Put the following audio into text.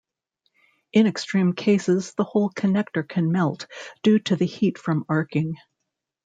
In extreme cases the whole connector can melt due to the heat from arcing.